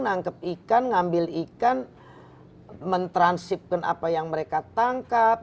menangkap ikan mengambil ikan men tranship apa yang mereka tangkap